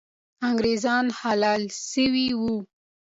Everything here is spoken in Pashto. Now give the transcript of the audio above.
انګریزان حلال سوي وو.